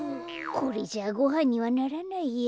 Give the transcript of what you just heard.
これじゃごはんにはならないや。